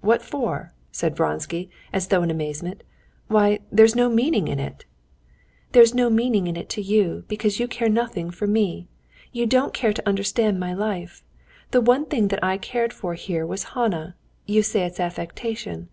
"What for?" said Vronsky, as though in amazement. "Why, there's no meaning in it!" "There's no meaning in it to you, because you care nothing for me. You don't care to understand my life. The one thing that I cared for here was Hannah. You say it's affectation.